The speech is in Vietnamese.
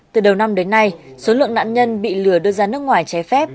từ đầu năm đến nay số lượng nạn nhân bị lừa đưa ra nước ngoài trái phép